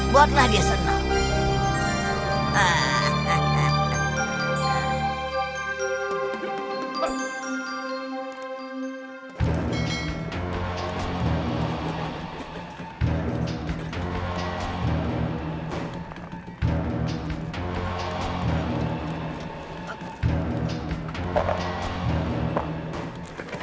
buatlah dia senang